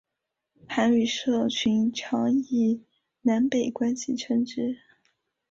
韩语社群常以南北关系称之。